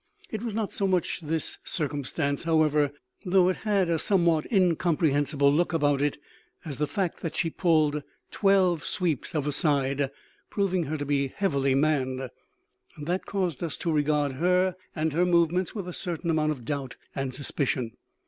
It was not so much this circumstance, however, though it had a somewhat incomprehensible look about it, as the fact that she pulled twelve sweeps of a side proving her to be heavily manned that caused us to regard her and her movements with a certain amount of doubt and suspicion.